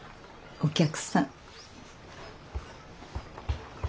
お客さん？